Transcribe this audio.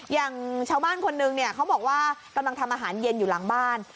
อย่างชาวบ้านคนนึงเนี่ยเขาบอกว่ากำลังทำอาหารเย็นอยู่หลังบ้าน